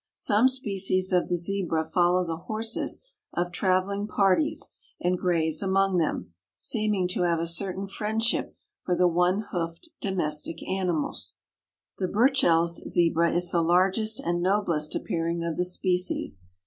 Some species of the Zebra follow the horses of traveling parties and graze among them, seeming to have a certain friendship for the one hoofed domestic animals. The Burchell's Zebra is the largest and noblest appearing of the species.